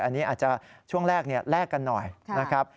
อันนี้อาจจะช่วงแรกแลกกันหน่อยนะครับ